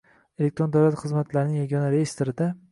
Elektron davlat xizmatlarining yagona reyestrida